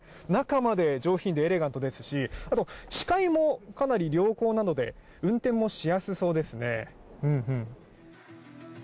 中まで上品でエレガントですしあと視界もかなり良好なので運転もしやすそうですね。